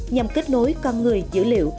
nhằm kết nối con người dữ liệu